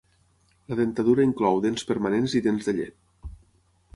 La dentadura inclou dents permanents i dents de llet.